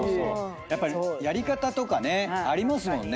やっぱりやり方とかねありますもんね。